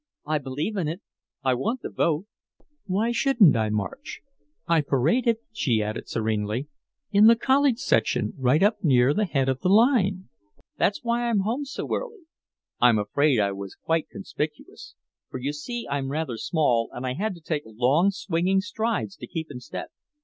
"I believe in it, I want the vote. Why shouldn't I march? I paraded," she added serenely, "in the college section right up near the head of the line. That's why I'm home so early. I'm afraid I was quite conspicuous, for you see I'm rather small and I had to take long swinging strides to keep in step.